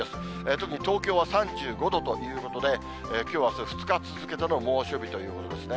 特に東京は３５度ということで、きょう、あす、２日続けての猛暑日ということですね。